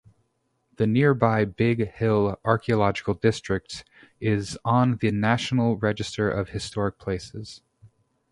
The nearby Big Hill Archeological District is on the National Register of Historic Places.